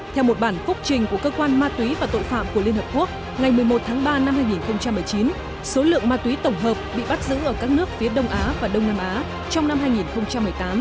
theo một bản phúc trình của cơ quan ma túy và tội phạm của liên hợp quốc ngày một mươi một tháng ba năm hai nghìn một mươi chín số lượng ma túy tổng hợp bị bắt giữ ở các nước phía đông á và đông nam á trong năm hai nghìn một mươi tám